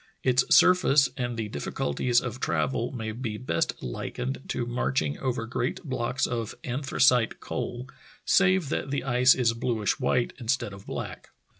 Its surface and the difficulties of travel may be best likened to marching over great blocks of anthracite coal, save that the ice is bluish white instead of black.